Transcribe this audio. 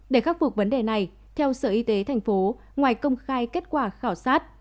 để khắc phục vấn đề này theo sở y tế tp ngoài công khai kết quả khảo sát